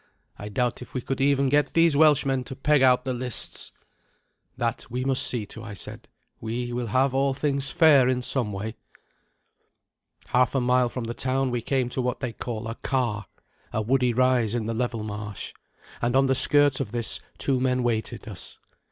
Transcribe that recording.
I doubt if we could even get these Welshmen to peg out the lists." "That we must see to," I said. "We will have all things fair in some way." Half a mile from the town we came to what they call a carr a woody rise in the level marsh and on the skirts of this two men waited us.